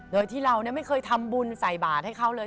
โดยที่เราไม่เคยทำบุญใส่บาทให้เขาเลย